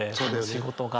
仕事が。